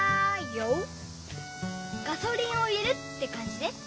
ガソリンを入れるってかんじね。